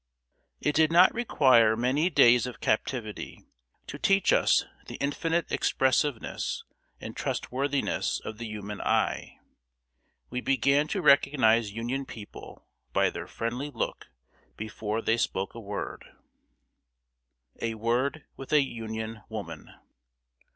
It did not require many days of captivity to teach us the infinite expressiveness and trustworthiness of the human eye. We began to recognize Union people by their friendly look before they spoke a word. [Sidenote: A WORD WITH A UNION WOMAN.